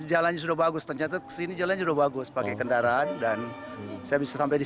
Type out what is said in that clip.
jalannya sudah bagus ternyata kesini jalan sudah bagus pakai kendaraan dan saya bisa sampai di